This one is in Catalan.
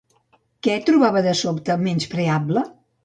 Què trobava de sobte menyspreable?